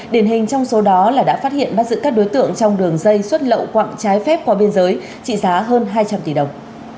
điển hình trong số đó là đã phát hiện bắt giữ các đối tượng trong đường dây xuất lậu quặng trái phép qua biên giới trị giá hơn hai trăm linh tỷ đồng